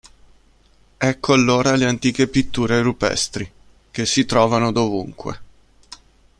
Ecco allora le antiche pitture rupestri, che si trovano dovunque.